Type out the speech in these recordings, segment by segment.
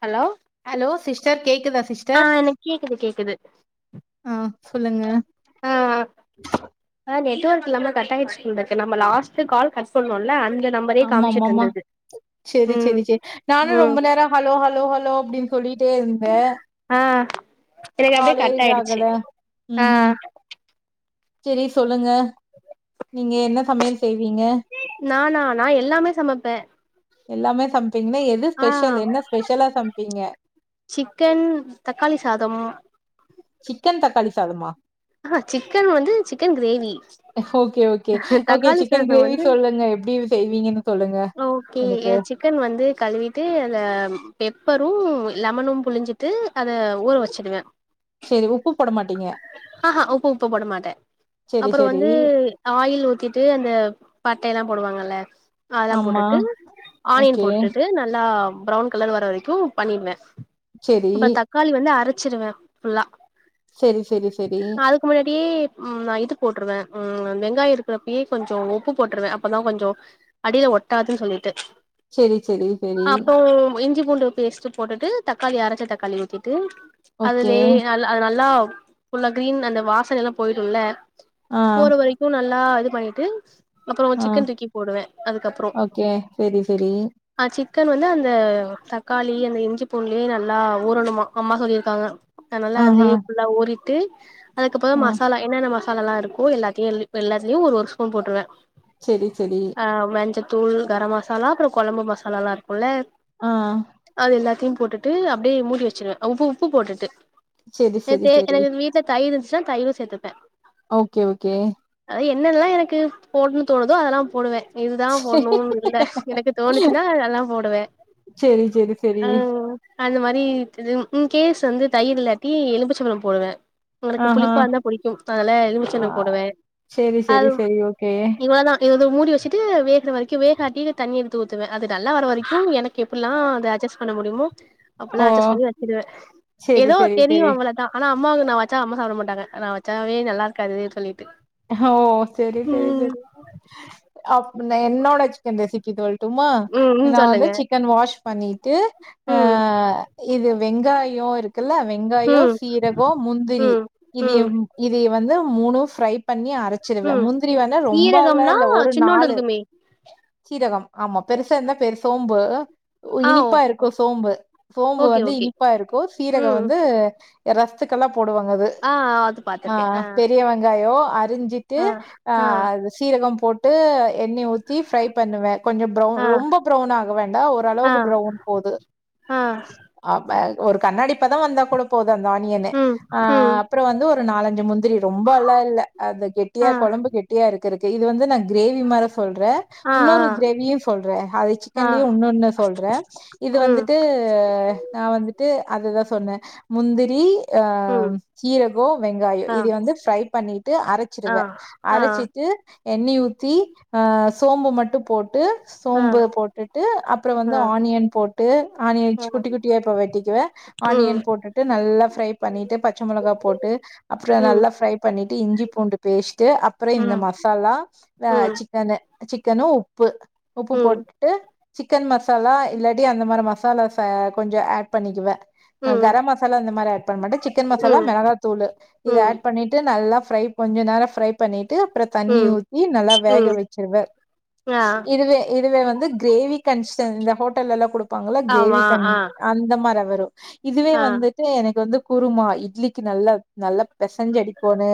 Hello hello sister கேக்குதா sis ஆ எனக்கு கேக்குது கேக்குது ஆ சொல்லுங்க. ஆ ஆ நெட்ஒர்க் இல்லாம கட் ஆயிச்சு போலா இருக்கு நம்ம லாஸ்ட் கால் கட் பண்ணேல அந்த நம்பரே ஆமா காமிச்சிட்டு ஆமாமா இருந்தது சேரி ம் சேரி சேரி நானு ம் ரொம்ப நேரோ ஹலோ ஹலோ ஹலோ அப்டின்னு சொல்லிட்டே இருந்தே ஆ இது அப்டியே கட் ஆயிடுச்சு இதாகல. ஆ சேரி சொல்லுங்க நீங்க என்ன சமயல் செய்வீங்க நானா நா எல்லாமே சமப்பே எல்லாமே சமப்பீங்கன்னா எது ஸ்பெஷல் என்ன ஸ்பெஷலா சமப்பீங்க சிக்கன் தக்காளி சாதம் சிக்கன் தக்காளி சாதமா ஆ ஆ சிக்கன் வந்து chicken gravy okay okay okay தக்காளி சிக்கன் சாதம் கிரேவி வந்து சொல்லுங்க எப்டி செய்வீங்கன்னு சொல்லுங்க ஓகே எனக்கு சிக்கன் வந்து கழுவிட்டு அத பெப்பரு லெமனு புழிஞ்சிட்டு அத ஊற வச்சுடுவே சேரி உப்பு போட மாட்டீங்க ஆ ஆ உப்பு உப்பு போட மாட்டே சரி, அப்புறோ சரி. வந்து ஆயில் ஊத்திட்டு அந்த பட்டைய எல்லா போடுவாங்கல்ல அதலா ஆமா. போட்டுட்டு ஓகே. ஆனியன் போட்டுட்டு நல்லா ப்ரௌன் கலர் வர வரைக்கு பண்ணிடுவே சேரி அப்புறோ தக்காளி வந்து அரைச்சிருவே ஃபுல்லா சேரி சேரி சேரி அதுக்கு முன்னாடியே ம் நா இது போட்டுருவே ம் வெங்காயம் இருக்கிறப்பயே கொஞ்சோ உப்பு போட்டுருவே அப்பதா கொஞ்சோ அடியில ஒட்டாதுன்னு சொல்லிட்டு செரி செரி செரி அப்போம் இஞ்சி பூண்டு பேஸ் ட்டு போட்டுட்டு தக்காளி அரச்ச தக்காளி ஊத்திட்டு ஓகே அதுலே நல்ல அது நல்லா ஃபுல்லா கிரீன் அந்த வாசனை எல்லா போயிடுல்ல ஆ போற வரைக்கு நல்லா இது பண்ணிட்டு அப்றோ ஆ சிக்கன் தூக்கி போடுவே அதுக்கப்புறோ ஓகே செரி செரி ஆ சிக்கன் வந்து அந்த தக்காளி அந்த இஞ்சி பூண்டுலயே நல்லா ஊறணுமா அம்மா சொல்லியிருக்காங்க அதனால ஆஹா அதுலயே ஃபுல்லா ஊரிட்டு அதுக்கப்புறோ ஆ மசாலா என்னென்ன மசாலல்லா இருக்கோ எல்லாத்தையு எல்லாத்தலயு ஒரு ஒரு ஸ்பூன் போட்டுருவே சேரி சேரி ஆ மஞ்சத்தூள் கரம் மசாலா அப்றோ கொழம்பு மசாலால்லா இருக்கும்ல ஆ அது எல்லாத்தையு போட்டுட்டு அப்டியே மூடி வச்சிருவே உப்பு உப்பு போட்டுட்டு சேரி சேரி சேரி எங்க வீட்டுல தயிர் இருந்துச்சுன்னா தயிரு சேத்துப்பே ஓகே ஓகே அது என்னெல்லா எனக்கு போட்ன்னு தோணுதோ அதெல்லா போடுவே இதுதா போட்ணும்னு இல்ல எனக்கு தோணுச்சுன்னா எல்லா போடுவே சேரி சேரி சேரி அ அந்த மாரி இது இன்கேஸ் வந்து தயிர் இல்லாட்டி எலும்புச்சம்பழம் போடுவே உங்களுக்கு ஆஹா புளிப்பா இருந்தா புடிக்கு அதனால எலுமிச்ச ஆ போடுவே செரி அது செரி செரி ஓகே இவ்ளதா இத வந்து மூடி வச்சிட்டு வேகர வரைக்கு வேகாட்டி தண்ணி எடுத்து ஊத்துவே அது நல்லா வர வரைக்கு எனக் எப்டிலா அத அட்ஜெஸ்ட் பண்ண முடியுமோ ஓ அப்டில்லா அட்ஜஸ்ட் பண்ணி வச்சுடுவே செரி ஏதோ செரி தெரியு செரி அவ்ளதா ஆனா அம்மாவுக்கு நா வச்சா அம்மா சாப்பிட மாட்டங்க நா வச்சாவே நல்லா இருக்காது சொல்லிட்டு ஓ சேரி சேரி ம் சேரி அப் என்னோட சிக்கன் ரெசிபி சொல்ட்டுமா ம் ம் நா வந்து சொல்லுங்க சிக்கன் வாஷ் பண்ணி து ஆ ம் இது வெங்காயோ இருக் குல்ல ம் வெங்காயோ சீரகோ முந்திரி ம் ம் இதயும் இதய வந்து மூணு ஃப்ரை பண்ணி அரைச்சிருவே ம் முந்திரி வந்து ரொம்பல்லா சீரகம்னா இல்ல ஒரு சின்னோண்டு நாலு இருக்குமே சீரகம் ஆமா பெருசா இருந்தா பெரு சோம்பு ஆ ஓ இனிப்பா இருக்கு சோம்பு சோம்பு ஓகே வந்து ஓகே இனிப்பா இருக்கு சீரகோ ம் வந்து ரஸத்துக்கெல்லா போடுவாங்க அது ஆ அது ஆ பாத்திருக்கே பெரிய வெங்காயோ செஞ்சிட்டு ஆ அது சீரகோ போட்டு எண்ணெய ஊத்தி ஃப்ரை பண்ணுவே கொஞ்சோ ப்ரௌன் ஆ ரொம்ப ப்ரௌன் ஆக வேண்டா ஆ ஓரளவுக்கு ப்ரௌன் போது ஆ அப்ப ஒரு கண்ணாடி பதோ வந்தா கூடோ போதோ அந்த ஆனியனு ம் அ ம் அப்றோ வந்து ஒரு நாலஞ்சி முந்திரி ரொம்பல்லா இல்ல அது ஆ கெட்டியா கொழம்பு கெட்டியா இருக்கருக்கு இது வந்து நா கிரேவி மாரி சொல்ற ஆ ஆ இன்னொரு கிரேவி கிரேவியு சொல்ற அது ஆ சிக்கன்லயு இன்னோன்னு சொல்ற இது ம் வந்துட்டு நா வந்துட்டு அதுதா சொன்னே முந்திரி ஆ ம் சீரகோ வெங்காயோ ஆ இது வந்து ஃப்ரை பண்ணிட் ட்டு ஆ அரச்சிருவே ஆ அரைச்சிட்டு எண்ணெய் ஊத்தி ஆ சோம்பு மட்டு போட்டு ஆ ஆ சோம்பு போட்டுட்டு அப்றோ வந்து ஆ ஆனியன் போட்டு ஆனியன் வெச்ச குட்டி குட்டியா இப்போ வெட்டிக்குவே ஆனியன் ம் போட்டுட்டு நல்லா ஃப்ரை பண்ணிட்டு பச்ச மொளகாய் போட்டு அப்றோ ம் நல்லா ஃப்ரை பண்ணி டு இஞ்சி பூண்டு பேஸ்ட்டு அப்றோ இந்த ம் மசாலா வே ம் சிக்கனு சிக்கனு உப்பு உப்பு ம் போட்டு ட்டு சிக்கன் மசாலா இல்லாட்டி அந்த மாரி மசாலாஸ கொஞ்சோ ஆட் பண்ணிக்குவே ம் கரம் மசாலா இந்த மாரி ஆட் பண்ண மாட்ட சிக்கன் ம் மசாலா மெளகா தூளு இத ம் ஆட் பண்ணிட்டு நல்லா ப்ரை கொஞ்ச நேரோ ப்ரை பண்ணிட்டு அப்றோ தண்ணி ம் ஊத்தி நல்லா வேக ம் வெச்சிருவே ஆ இதுவே இதுவே வந்து கிரேவி கன்ஷன் இந்த ஹோட்டல்லா குடு பாங்ளா ஆமா கிரேவிங் கன் ஆ அந்த மாரி வரு இதுவே ஆ வந்து இதுவே எனக்கு வந்து குருமா இட்லிக்கு நல்லா நல்லா பெசைஞ்சி அடிக்கோனோ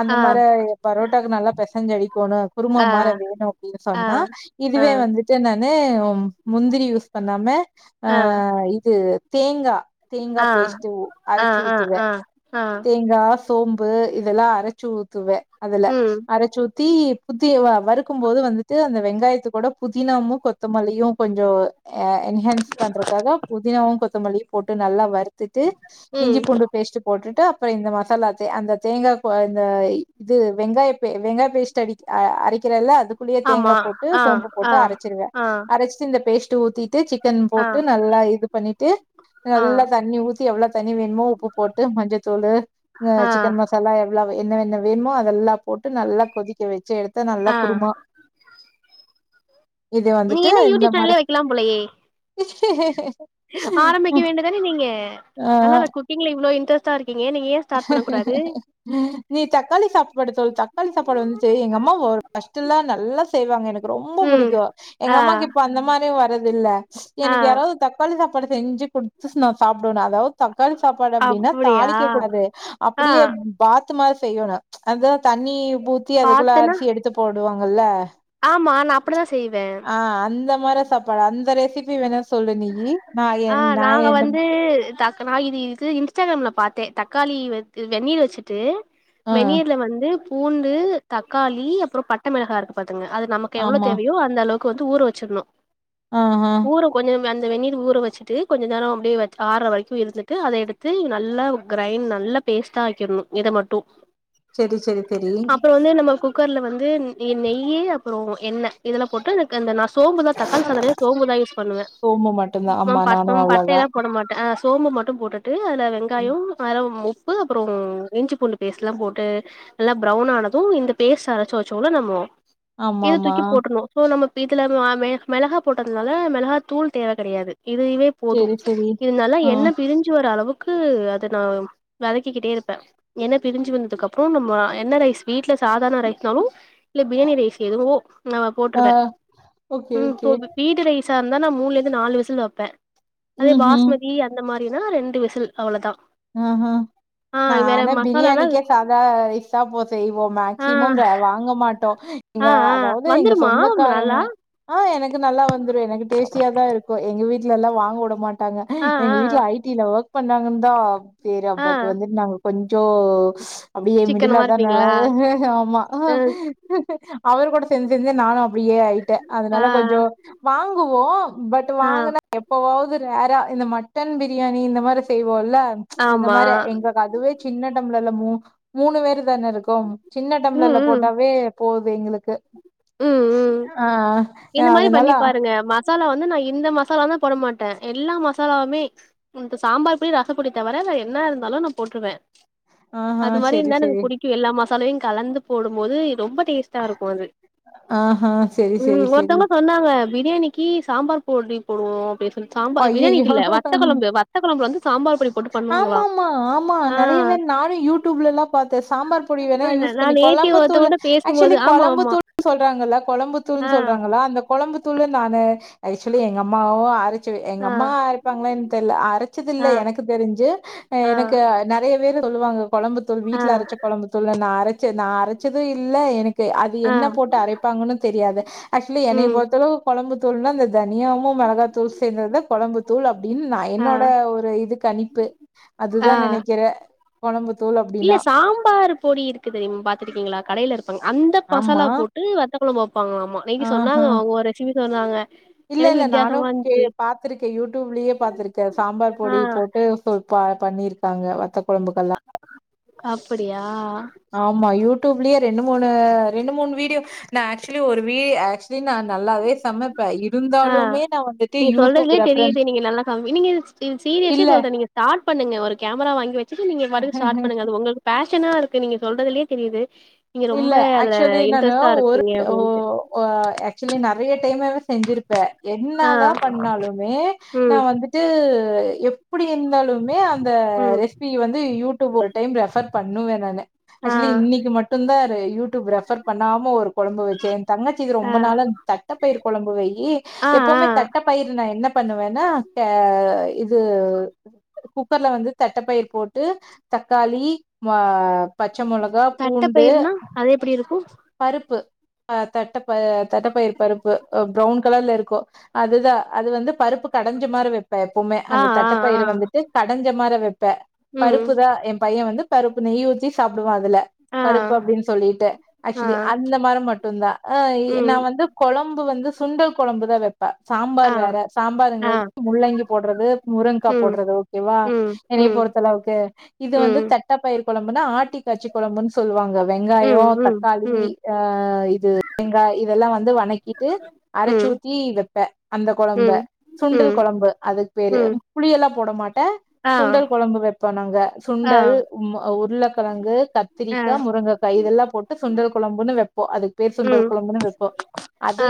அந்த ஆ மாரி பரோட்டாக்கு நல்லா பெசஞ்சி அடிக்கணோ குருமா ஆ மாரி வேணு அப்டின்னு ஆ சொன்னா இதுவே வந்து இதுக்கு நானே முந்திரி யூஸ் பண்ணாம ஆ இது தேங்கா தேங்கா ஆ ஆ பேஸ்ட் ஆ அரச்சி ஆ ஊத்துவே ஆ ஆ தேங்கா சோம்பு இதெல்லா அரைச்சி ஊத்துவே அதுல ம் அரச்சி ஊத்தி ஊத்தியல்ல வறுக்கும் போது வந்துட்டு அந்த வெங்காயத்து கூட புதினாமு கொத்தமல்லியு கொஞ்சோ அ என்ஹான்ஸ் பண்றதுக்காக புதினாவு கொத்தமல்லியு போட்டு நல்லா வறுத்துட்டு இஞ்சி ம் பூண்டு பேஸ்ட் போட்டுட்டு அப்றோ இந்த மசாலா தே அந்த தேங்காகு இந்த இது வெங்காய பே வெங்கா பேஸ்ட் அடி அரைக்கிறல்ல அது புளிய ஆமா தேங்கா போட்டு ஆ போம்பு ஆ போட்டு அரைச்சிறுவே ஆ அரச் சி இந்த பேஸ்ட் ஊத்திட்டு சிக்கன் ஆ போட்டு நல்லா இது பண்ணிட்டு ஆ நல்லா தண்ணி ஊத்த தி எவ்ளோ தண்ணி வேணுமோ உப்பு போட்டு மஞ்சத்தூளு அ ஆ சிக்கன் மச சாலா எவ்ளவு என்ன என்ன வேணுமோ அதெல்லா போட்டு நல்லா கொதிக்க வெச்சி எடுத்த நல்லா ஆ குருமா இது நீங்க வந்துட்டு என்ன இந்த யூடியூப் மாரி சேனலே வைக்கலாம் போலயே ஆரம்பிக்க வேண்டி தானே நீங்க ஆ நல்லா தா குக்கிங்ல இவ்ளோ இன்ட்ரெஸ்டா இருக்கீங்க நீங்க ஏ [inaudible] நீ தக்காளி சாப்பாடு தொல் தக்காளி சாப்பாடு வந்ட்டு எங்க அம்மா ஒ பஸ்டுல்லா நல்லா செய்வாங்க எனக்கு ரொம்ப ம் புடிக்கு எங்க ஆ அம்மாக்கு இப்ப அந்த மாதி வரது இல்ல ஆ எனக்கு யாராவது தக் காளி சாப்பாடு செஞ்சு குடுத்துஸ் நா சாப்புடுவே அதாவது தக்காளி சாப்பாடு அப்படினா அப்டியா தாலிக்கு கூடாது ஆ அப்டியே பாத்து மாதி செய்யணு அதா தண்ணி ஊத்தி அதுக்குள்ள பாத்துன்னா அரிசி எடு து போடுவாங்கல்ல ஆமா நா அப்டிதா செய்வே ஆ அந்த மாரே சாப்பாடு அந்த ரெசிபி வேணு ஆ நாங்க வந்து த நா இதி து இன்ஸ்டாகிராம்ல பாத்தே தக்காளி வெ வெந்நீர் வச்சுட்டு ஆ வெந்நீர்ல வந்து பூண்டு தக்காளி அப்றோ பட்ட மிளகா இருக்கு பாத்துங்க அது நமக்கு எவ்வளவு ஆமா தேவயோ அந்த அளவு கு வந்து ஊற வச்சுர்ணு ஆ ஆ கொஞ்சம் அந்த வெந்நீர் ஊற வச்சுட்டு கொஞ்ச நேரோ அப்டியே வச்ஆற வரைக்கு இருந்துட்டு அதை எடுத்து நல்ல கிரைண்ட் நல்ல பேஸ்டா ஆக்கிர்னு இத மட்டு செரி செரி செரி அப்புற வந்து நம்ம கு கர்ல வந்து நெய் அப்புறோ எண்ண இதெல்லா போட்டு கு அந்த நாஸ் சோம்புதா தக்காளி சாதனே சோம்புதா யூஸ் பண்ணுவே சோமு மட்டுந்தா ம் ஆமா ப நானு ம் பட்ட அவ்ளோதா எல்லா போ ட மாட்டே அ சோம்பு மட்டு போட்டுட்டு அதுல வெங்காயம் அற உ பு அப்புறோ இஞ்சி பூண்டு பேஸ்ட்லா போட்டு நல்லா ப்ரௌன் ஆனது இந்த பேஸ்ட் அரச்சு வச்சோ ல நம்மோ ஆமா இது ஆமா தூக்கி போட்றணு சோ நம்ம இதுல அ மெ மெளகா போட்டதுனால மெள னா தூள் தேவ கெடயாது இதுவே போது செரி செரி இது நல்லா ஆ எண்ண பிரிஞ்சு வர அளவு கு அத நா வதக்கிக்கிட்டே இருப்ப எண்ண பிரிஞ்சு வந்ததுக்கு அப்புற நம்ம என்ன ரைஸ் வீட்ல சாதாரண ரைஸ்னாலு இல்ல பிரியாணி ரைஸ் எதுவோ நான் ஆ போட்ருவே ஓகே ம் ஓகே போ வீடு ரைசா இருந்தா நா மூண்லருந்து நாலு விசில் வெப்பே அதே ம் ம் பாஸ்மதி அந் இந்த மாரினா ரெண்டு விசில் அவ்ளோ தா ஆ ஹா நான மசாலானா பிரியாணிக்கே சாதா ரைஸ்தா போ செய்வோ ஆ மேக்சிமோ வாங்க மாட் டோ இங்க ஆ ஆ அதாவ்து எங்க வந்துருமா நல்லா சொந்தக்காரவுங்க ஆ எனக்கு நல்லா வந்துரு எனக்கு டேஸ்டியா தா இருக்கு எங்க வீட்லலா வாங்க வுட மாட் டாங்க ஆ எங்க ஆ வீட்ல ஐடில ஒக் பண்ணாங்கன் தா பேரு அ ஆ பட் வந்துட் நாங்க கொஞ்சோ ஸ் அப்டியே மிடிலா சிக்கனமா தான இருப்பீங்களா ஆமா ஆ அவர் கூட சேந்து சேந்து நானு அப்டியே ஆயி டே ஆ அதனால ஆ கொஞ்சோ வாங்குவோ பட் ஆ வாங்குனா எப்பவாவது ரேரா இந்த மட்டன் பிரியாணி இந்த மாரி செய்வோல அந்த ஆமா மார எங்க அதுவே சின்ன டம்ளர் ல மூணு மூணு பேர் தானே இருக்கோ சின்ன டம்ளர் ம் ல ம் போட்டாவே போது எங்களுக்கு ம் ம் ஆ இது மாரி அதனால பண்ணி பாருங்க மாஸ் சாலா வந்து நா இந்த மசாலா தா போட மாட்டே எல்லா மசாலாவுமே இந்த சாம்பார் பொடி ரசப்பொடி தவர நா என்ன இருந்தாலு நா போட்ருவே ஆஹா அது மாரி செரி இருந்தா எனக்கு செரி புடிக்கு எல்லா மசாலாவயு கலந்து போடும் போது ரொம்ப டேஸ்டாருக்கு அது ஆ ஹா ம் ஒருத்தவங்க சொன்னாங்க பிரியாணிக்கு சாம்பார் பொடி போடுவோ அப்டின்னு சொல் சாம்பார் அய்யய்யோ பிரியாணிக்கில்ல வத்த கொழம்பு வத்த கொழம்புல வந்து சாம்பார் பொடி போட்டு பண்ணுவாங்களா அ நானு யூடியூப்லல்லா பாத்தே சாம்பார் பொடி வேனா அது யூஸ் நா பண்ணி நேத்தி கொழம்புத்தூள் ஒருத்தவங்கள்ட்ட பேசும்போது அக்சுவலி ஆமா ஆமா கொழம்புத்தூள் சொல்றாங்கல்ல ஆ கொழம்புதூள்னு சொல்றாங்கள அந்த கொழம்புதூளு நானு ஆக்சுவ்லி எங்க அம்மாவு அரச் ச்சு எங்க ஆ அம்மா அரெப்பாங்களா என் தெர்ல அரச்சதில்ல ஆ எனக்கு தெரிஞ்சு ஆ எனக்கு நெறைய பேரு சொல்லுவாங்க கொழம்பு தூள் ஆ வீட்ல அரச்ச கொழம்புத்தூள் நா அரச்ச நா அரச்சது இல்ல எனக்கு கெ அது ஆ என்ன போட்டு அரைப்பாங்கன்னு தெரியாது ஆக்சொலி ம் என்னய பொறுத்தள கொழம்பு தூள்னா இந்த தனியாவு மெளகா தூளு சந்தது தா கொழம்பு தூள் தூள் அப்டின் நா ஆ என்னோட ஒரு இது கணிப்பு ஆ அதுதா நெனக்கிறே கொழம்பு தூள் அப் இல்ல சாம்பாரு பொடி இருக்குது நிங் பாத்துருக்கீங்களா கடைல இருக் பாங்க அந்த ஆமா மசாலா போட்டு வத்த கொழம்பு வப்பாங்களாமா அன்னக்கி ஆஹா சொன்னாங்க அவுங்க ஒரு ரெசிபி சொன்னாங்க இல்ல எனக்கு இல்ல நானு வித்தியாசமா கே இருந்துச்சு பாத்துருக்கே யூடூப்லயே பாத்துருக்கே சாம்பார் ஆ பொடி போட்டு போ ப பண்ணிருக்காங்க வத்த கொழம்புகெல்லா அப்புடியா ஆமா யூடூப்லயே ரெண்டு மூனு ரெண்டு மூன் வீடியோ நா ஆக்ச்சொலி ஒரு வீ ஆக்சொலி நா நல்லாவே சமைப்பே அ இருந்தாலுமே நா வந்துட்டு நீங்க யூடியூப் சொல்றதுலே தெரியுது ரெஃபரன்ஸ் நீங்க நல்லா சமை நீங்க சீரியஸ்லி இல்ல சொல்றே நீங்க ஸ்டார்ட் பண்ணுங்க ஒரு கேமரா வாங்கி வச்சிட்டு நீங்க பாட்டுக்கு ஸ்டார்ட் பண்ணுங்க அது ஒங்க பேஷனா இருக்கு நீங்க சொல்றதுலே தெரியுது நீங்க ரொம்ப இல்ல அதுல ஆக்சுவலி நானு இன்ட்ரெஸ்ட்டா ஒரு இருக்கீங்க ஓ அப்டின்ட்டு ஆ ஆக்ச்சொலி நெறைய டைமாவ செஞ்சிரு ப்பே ஆ என்னாதா பண்ணாலுமே நா ம் வந்துட்டு எப் எப்புடி இருந்தாலுமே அந்த ம் ரெஸ் ப்பி வந்து யூடூப் ஒரு டைம் ரெஃபர் பண்ணுவே நானு ஆ ஆக்சொலி இன்னெக்கி மட் ட்டு தாரு யூடூப் ரெஃபர் பண்ணாம ஒரு கொழம்பு வச்சே என் தங்கச்சிக்கி ஆ ரொம்ப நாளா தட்ட பயிறு கொழம்பு வையி ஆ ஆ எப்பவுமே தட்ட பயிறு நா என்ன பண்ணுவேன்னா அ இது குக்கர்ல வந்து தட்டப்பயிர் போட்டு தக்காளி ஆ பச்ச மொளகா பூண் பயிர்னா அது எப்டி இருக்கு பருப்பு அ தட்டப்ப தட்டப்பயிர் பருப்பு ப்ரவுன் கலர்ல இருக்கு அதுதா அது வந்து பருப்பு கடஞ்ச மாரி வெப்பே எப்போமே ஆ அந்த ஆ தட்ட ஆ பயிரு வந்துட்டு கடஞ்ச மாரி வெப் ப்பே ம் பருப்பு தா எ பையெ வந்து பருப்பு நெய் ஊத்தி சாப்டுவா அதுல ஆ பருப்பு அப்டின்னு சொல்லிட்டு ஆ ஆக்சொலி அந்த மாரி மட்டுந் தா நா ம் வந்து கொழம்பு வந்து சுண்டல் கொழம்பு தா வெப் பெ சாம்பார் ஆ வேற ஆ சாம்பாருங்கிறது முள்ளங்கி போடுறது முருங்கா ம் போடுறது ஓகேவா ம் என்னைய ம் பொறுத்தளவுக்கு இது வந்து ம் தட்டப்பயிர் குழம்புன்னா ஆட்டி காட்சி கொழம்புன் சொல்லுவாங்க வெங்காயொ ம் ம் தக்காளி ம் அ இது வெங்கா இதெல்லா வந்து வணக்கிட்டு ம் அரச்சூத்தி வெப்பெ அந்த கொழம்ப ம் சுண்டல் ம் கொழம்பு அதுக்கு பேரு ம் புளியெல்லா போட மாட்டே ஆ சுண்டல் கொழம்பு வொப்போ நாங்க ஆ சுண்டல் ம்ம உருளக்கெழங்கு ஆ கத்திரிக்கா முருங்கக்கா இதெல்லா போட்டு சுண்டல் கொழம்புன்னு வெப்போ அதுக்கு பேர் சுண்டல் ம் குழம்புன்னு வெப்போ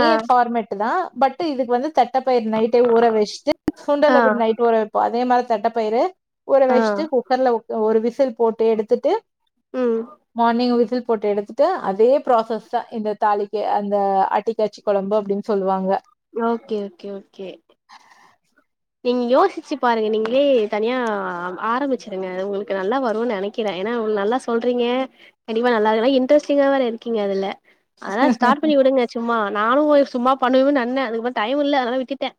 ஆ ஃபார்மெட்டு தா பட்டு இதுக்கு வந்து த தட்டப்பயிறு நைட்டே ஊற வெச்ட்டு சுண்டல ஆ எப்டி நைட் ஊற வெப்போ அதே மாதிரி தட்டப்பயிறு ஊற ஆ வச்ட்டு குக்கர்ல ஒரு விசில் போட்டு எடுத்துட்டு ம் மார்னிங் விசில் போட்டு எடுத்துட்டு அதே ப்ராசஸ் தா இந்த தாளிக்க அந்த அட்டி காச்சி கொழம்பு அப்டின் சொல்லுவாங்க ஓகே ஓகே ஓகே நீங்க யோசிச்சு பாருங்க நீங்ளே தனியா ஆரம்பிச்சுருங்க உங்குளுக்கு நல்லா வருன் நெனைக் கிறே எனா வு நல்லா சொல்றீங்கே கண்டிப்பா நல்லாத இன்ட்ரெஸ்டிங்கா வேற இருக்கீங்க அதுல அதலா ஸார்ட் பண்ணி விடுங்க சும்மா நானு ஒ சும்மா பண்ணுவுமேனன்னே அதுக்குப்ப டைமில்ல அதனாலா விட்டுட்டே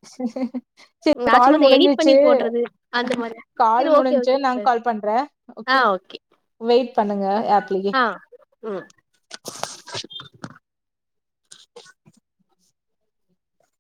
[inaudible] சே நா கால் சும்மா இந்த எடிட் பண்ணி முடிஞ்சிச்சு போடுறது அந்த மாரி கால் சரி ஓகே ஓகே முடிஞ்சு நாங் சிஸ்டர் கால் பண்றே ஓகே வெயிட் பண்ணுங்க ஆப்லியே ஆ ம்